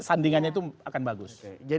sandingannya itu akan bagus